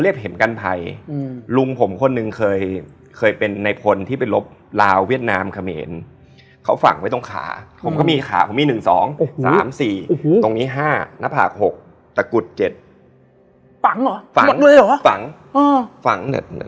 เสียงดังคือที่คนสิบกว่าคนยี่สิบคนคุยกัน